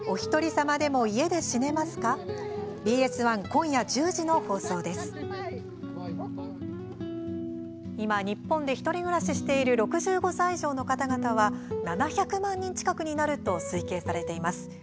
今、日本で１人暮らししている６５歳以上の方々は７００万人近くになると推計されています。